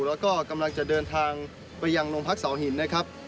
แล้วก็กำลังจะเดินทางไปยังโรงพักเสาหินนะครับ